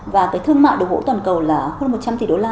và cái thương mại đồ gỗ toàn cầu là hơn một trăm linh tỷ đô la